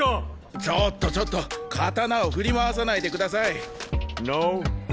ちょっとちょっと刀を振り回さないでくださいノー